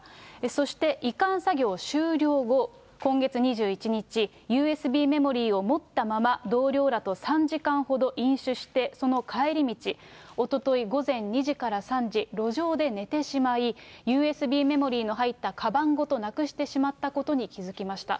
そして移管作業終了後、今月２１日、ＵＳＢメモリを持ったまま、同僚らと３時間ほど飲酒してその帰り道、おととい午前２時から３時、路上で寝てしまい、ＵＳＢメモリの入ったかばんごとなくしてしまったことに気付きました。